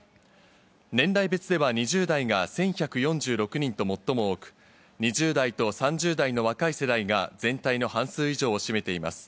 年代別では２０代が１１４６人と最も多く、２０代と３０代の若い世代が全体の半数以上を占めています。